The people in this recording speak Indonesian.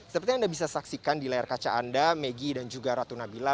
seperti yang anda bisa saksikan di layar kaca anda megi dan juga ratu nabila